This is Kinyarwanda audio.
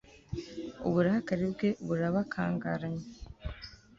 ubukare bwe burabakangaranya